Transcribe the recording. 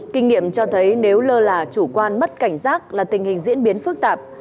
kinh nghiệm cho thấy nếu lơ là chủ quan mất cảnh giác là tình hình diễn biến phức tạp